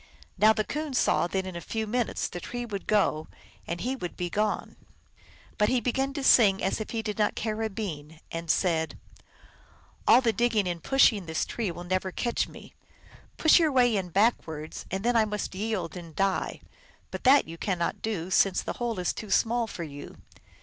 Now the Coon saw that in a few minutes the tree would go and he be gone. But he began to sing as if he did not care a bean, and said, " All the digging and pushing this tree will never catch me. Push your way in backwards, and then I must yield and die. But that you cannot do, since the hole is too small for you."